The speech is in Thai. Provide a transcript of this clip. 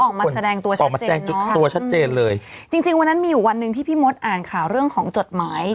ออกมาแสดงตัวจริงออกมาแสดงจุดตัวชัดเจนเลยจริงจริงวันนั้นมีอยู่วันหนึ่งที่พี่มดอ่านข่าวเรื่องของจดหมาย